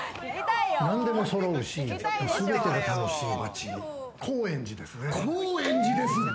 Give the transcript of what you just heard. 何でもそろうし、全てが楽しい街、高円寺ですね。